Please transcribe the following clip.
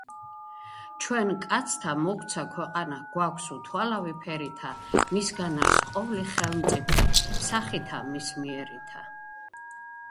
ჩვენ, კაცთა, მოგვცა ქვეყანა, გვაქვს უთვალავი ფერითა, მისგან არს ყოვლი ხელმწიფე სახითა მის მიერითა